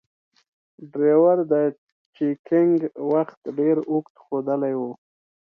ډریور د چکینګ وخت ډیر اوږد ښودلای و.